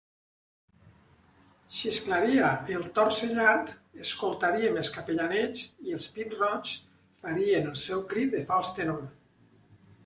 Xisclaria el tord cellard, escoltaríem els capellanets i els pit-roigs farien el seu crit de fals tenor.